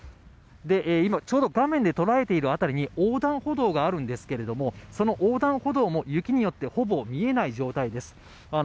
今、ちょうど画面で捉えている辺りに横断歩道があるんですけれども、その横断歩道も雪によってほぼ見えない状態です。